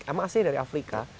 emang aslinya dari afrika